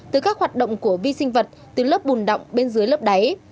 từ các hoạt động của vi sinh vật từ lớp bùn đọng bên dưới lớp đáy